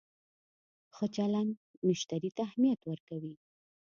ښه چلند مشتری ته اهمیت ورکوي.